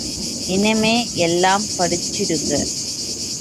இன்னெமே எல்லாம் படிஞ்சுடுங்க.